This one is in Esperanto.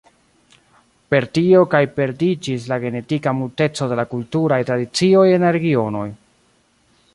Per tio kaj perdiĝis la genetika multeco kaj la kulturaj tradicioj en la regionoj.